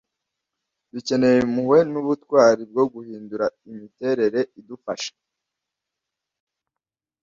dukeneye impuhwe n'ubutwari bwo guhindura imiterere idufasha